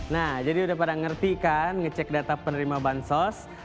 nah jadi sudah pada mengerti kan mengecek data penerima bansos